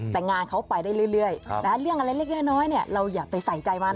แต่งานเขาไปได้เรื่อยเรื่องอะไรเล็กน้อยเราอย่าไปใส่ใจมัน